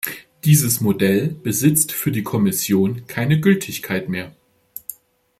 Dieses Modell besitzt für die Kommission keine Gültigkeit mehr.